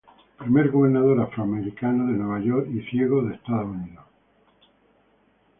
Primer gobernador afroamericano de Nueva York y ciego de Estados Unidos.